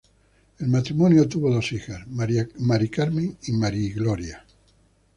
El matrimonio tuvo dos hijas: Maria Carme y Maria Glòria.